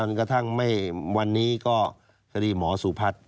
กระทั่งไม่วันนี้ก็คดีหมอสุพัฒน์